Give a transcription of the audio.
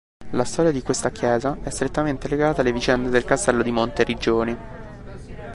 La storia di questa chiesa è strettamente legata alle vicende del castello di Monteriggioni.